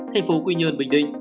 thành phố quy nhơn bình định